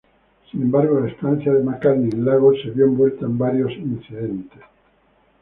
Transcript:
Sin embargo, la estancia de McCartney en Lagos se vio envuelta en varios incidentes.